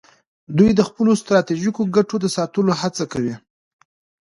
دوی د خپلو ستراتیژیکو ګټو د ساتلو هڅه کوي